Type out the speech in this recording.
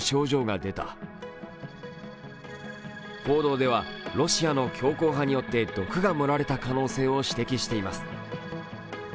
報道では、ロシアの強硬派によって毒が盛られた可能性を指摘しています。